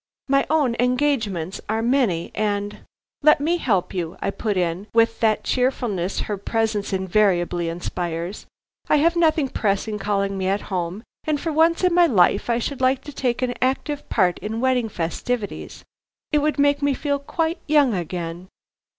My own engagements are many and " "Let me help you," I put in, with that cheerfulness her presence invariably inspires. "I have nothing pressing calling me home, and for once in my life I should like to take an active part in wedding festivities. It would make me feel quite young again."